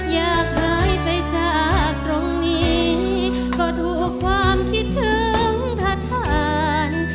อยากหายไปจากตรงนี้ก็ถูกความคิดถึงทัศน